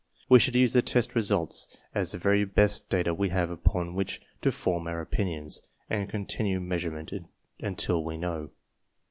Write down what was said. We should use the test results as the very best data we have upon which to form our opinions, and continue measurement until we know.